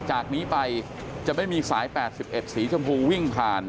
จากนี้ไปจะไม่มีสาย๘๑สีชมพูวิ่งผ่าน